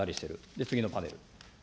次のパネル。